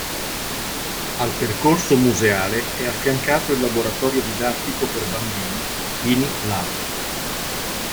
Al percorso museale è affiancato il laboratorio didattico per bambini "Chini Lab".